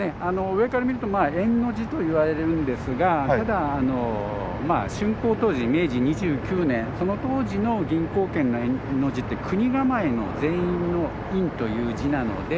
上から見ると円の字といわれるんですがただ竣工当時明治２９年その当時の銀行券の円の字ってくにがまえの全員の「員」という字なので。